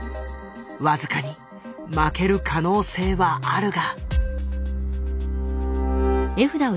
僅かに負ける可能性はあるが。